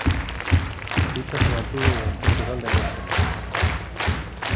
La pista se mantuvo durante un total de nueve semanas.